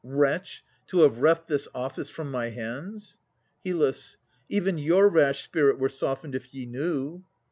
Wretch! to have reft this office from my hands. HYL. Even your rash spirit were softened, if you knew.